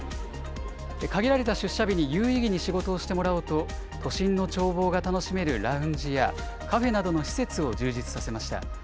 限られた出社日に有意義に仕事をしてもらおうと、都心の眺望が楽しめるラウンジや、カフェなどの施設を充実させました。